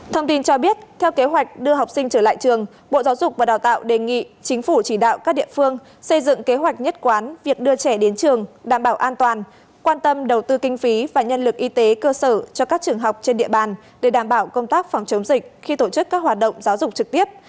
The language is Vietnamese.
thông tin cho biết theo kế hoạch đưa học sinh trở lại trường bộ giáo dục và đào tạo đề nghị chính phủ chỉ đạo các địa phương xây dựng kế hoạch nhất quán việc đưa trẻ đến trường đảm bảo an toàn quan tâm đầu tư kinh phí và nhân lực y tế cơ sở cho các trường học trên địa bàn để đảm bảo công tác phòng chống dịch khi tổ chức các hoạt động giáo dục trực tiếp